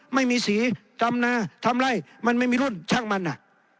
ไม่มีสีดำนาทำไล่มันไม่มีรุ่นช่างมันอ่ะ